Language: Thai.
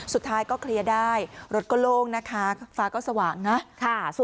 สุดท้ายก็เคลียร์ได้รถก็โล่งนะคะฟ้าก็สว่างนะ